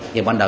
thì ban đầu